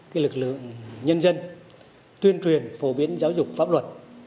cái lực lượng nhân dân tuyên truyền phổ biến giáo dục pháp luật